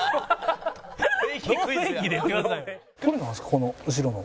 この後ろの。